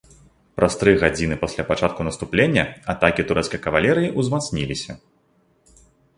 Праз тры гадзіны пасля пачатку наступлення атакі турэцкай кавалерыі ўзмацніліся.